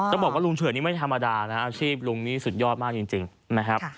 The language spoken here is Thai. ต้องบอกว่าลุงเฉยนี่ไม่ธรรมดานะอาชีพลุงนี่สุดยอดมากจริงนะครับ